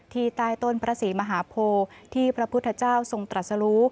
ใต้ต้นพระศรีมหาโพที่พระพุทธเจ้าทรงตรัสรู้